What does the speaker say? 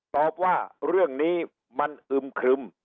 ตอบว่าเรื่องนี้มันอึมครึม